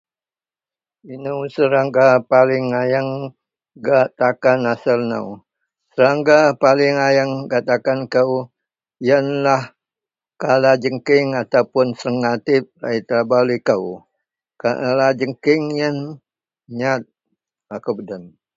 . Inou serangga paling ayeng gak takan asel nou? Serangga paling ayeng gak takan kou yenlah kala jengking ataupun sengatip laei telabau likou. Kala jengking yen nyat akou peden.